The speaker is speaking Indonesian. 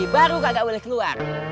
baru kagak boleh keluar